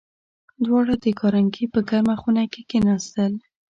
دواړه د کارنګي په ګرمه خونه کې کېناستل